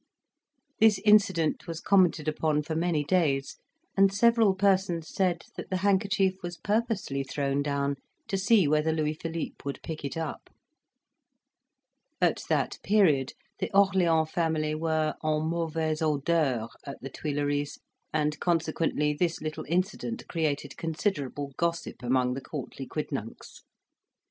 This incident was commented upon for many days, and several persons said that the handkerchief was purposely thrown down to see whether Louis Philippe would pick it up. At that period, the Orleans family were en mauvais odeur at the Tuileries, and consequently, this little incident created considerable gossip among the courtly quidnuncs.